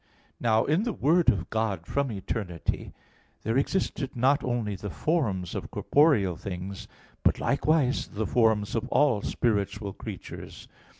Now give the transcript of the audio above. Now in the Word of God from eternity there existed not only the forms of corporeal things, but likewise the forms of all spiritual creatures.